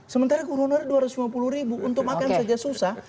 sementara gubernur dua ratus lima puluh ribu untuk makan saja susah